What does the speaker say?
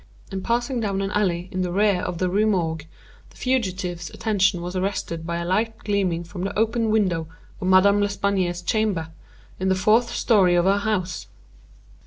In passing down an alley in the rear of the Rue Morgue, the fugitive's attention was arrested by a light gleaming from the open window of Madame L'Espanaye's chamber, in the fourth story of her house.